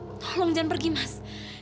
tolong jangan pergi mas